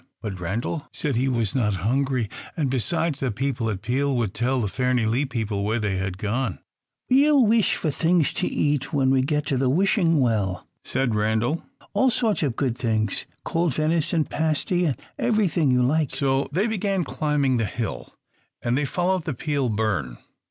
But Randal said he was not hungry; and, besides, the people at Peel would tell the Fairnilee people where they had gone. "We'll wish for things to eat when we get to the Wishing Well," said Randal. "All sorts of good things cold venison pasty, and everything you like." So they began climbing the hill, and they followed the Peel burn.